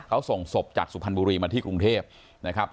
เขาส่งศพจากสุพรรณบุรีมาที่กรุงเทพนะครับ